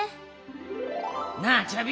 なあチョビ。